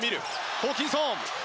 ホーキンソン。